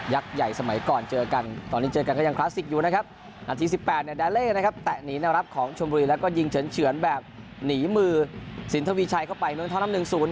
ยักษ์ใหญ่สมัยก่อนเจอกัน